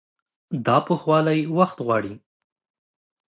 دا پخوالی وخت غواړي.